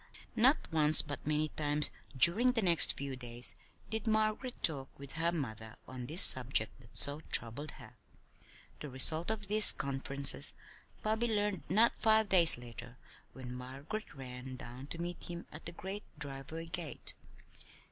Not once, but many times during the next few days, did Margaret talk with her mother on this subject that so troubled her. The result of these conferences Bobby learned not five days later when Margaret ran down to meet him at the great driveway gate.